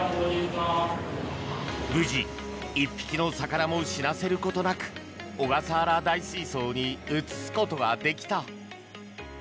無事、１匹の魚も死なせることなく小笠原大水槽に移すことができた。